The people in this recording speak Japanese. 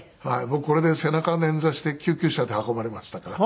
僕これで背中捻挫して救急車で運ばれましたから。